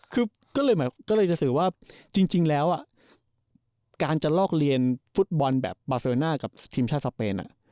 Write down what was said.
คือก็เลยจะสื่อว่าจริงแล้วการจะลอกเรียนฟุตบอลแบบบาเซอร์น่ากับทีมชาติสเปน